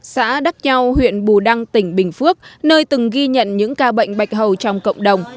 xã đắc nhau huyện bù đăng tỉnh bình phước nơi từng ghi nhận những ca bệnh bạch hầu trong cộng đồng